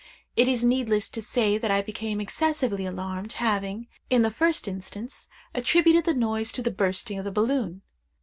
It is needless to say that I became excessively alarmed, having, in the first instance, attributed the noise to the bursting of the balloon.